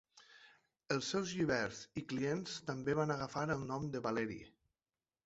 Els seus lliberts i clients també van agafar el nom de Valeri.